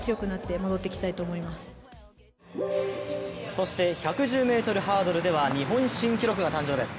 そして１１０ｍハードルでは日本新記録が誕生です。